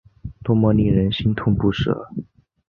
多么令人心痛不舍